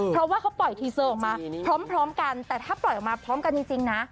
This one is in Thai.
เพราะว่าเขาปล่อยทีเซอร์ออกมาพร้อมกันแต่ถ้าปล่อยออกมาพร้อมกันจริงนะ